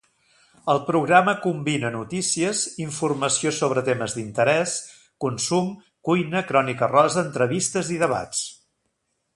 El programa combina notícies, informació sobre temes d'interès, consum, cuina, crònica rosa, entrevistes i debats.